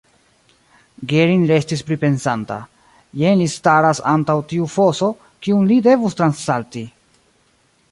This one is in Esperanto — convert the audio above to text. Gering restis pripensanta: jen li staras antaŭ tiu foso, kiun li devus transsalti!